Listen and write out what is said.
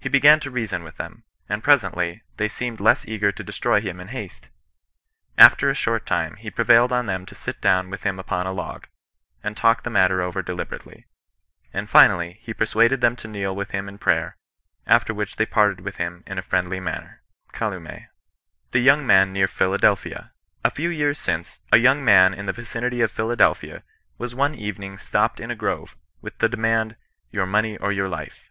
He began to rea son with them ; and, presently, they seemed less eager to destroy him in haste. After a short time, he prevailed on them to sit down with him upon a log, and talk the matter over deliberately ; and finally, he persuaded them to kneel with him in prayer, after which they parted with him in a friendly manner."— CWwwi^^. THE YOUNG HAN NEAB PHILADELPHIA. " A few years since, a young man in the vicinity of Philadelphia, was one evening stopped in a grove, with the demand, * Your money, or your life.'